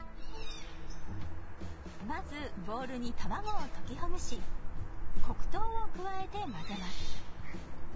まずボウルに卵を溶きほぐし黒糖を加えて混ぜます。